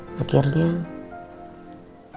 maknya langsung bener jodohin pariwijo